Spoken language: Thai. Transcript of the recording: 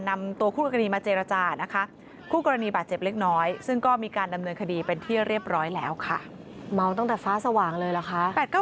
นำตัวคู่กรณีมาเจรจานะคะ